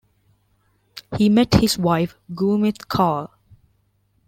He met his wife, Gurmit Kaur.